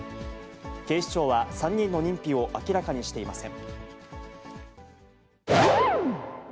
警視庁は３人の認否を明らかにしていません。